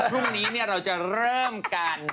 พรุ่งนี้เนี่ยเราจะเริ่มการ